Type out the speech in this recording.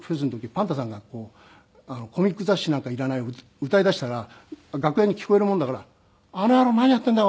ＰＡＮＴＡさんがこう『コミック雑誌なんか要らない』を歌いだしたら楽屋に聞こえるもんだから「あの野郎何やってんだよ！